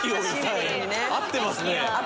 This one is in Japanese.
合ってますね。